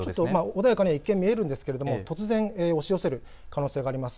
穏やかに一見見えるんですが突然押し寄せる可能性があります。